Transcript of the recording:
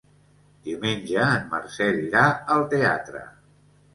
Diumenge en Marcel irà al teatre.